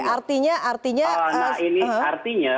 artinya nah ini artinya